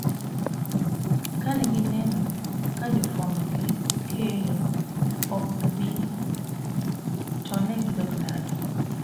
kanegineno ka jofwambo gi keyo ok bi tonegidokdala